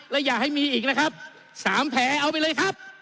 และอย่าให้มีอีกนะครับ๓แผลเอาไปเลยครับ